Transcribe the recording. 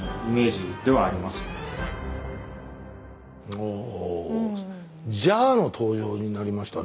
おぉジャーの登場になりましたね。